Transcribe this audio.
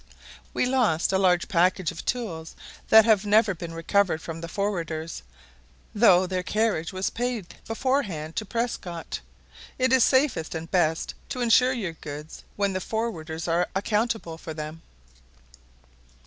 We lost a large package of tools that have never been recovered from the forwarders, though their carriage was paid beforehand to Prescott. It is safest and best to ensure your goods, when the forwarders are accountable for them.